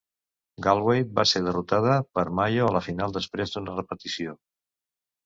Galway va ser derrotat per Mayo a la final després d'una repetició.